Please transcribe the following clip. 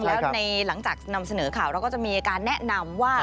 แล้วในหลังจากนำเสนอข่าวเราก็จะมีการแนะนำว่า